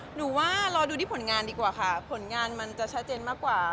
หรือว่ารอดูที่ผลงานดีกว่าค่ะผลงานมันจะชัดเจนมากกว่า